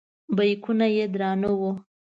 بیکونه یې درانه وو.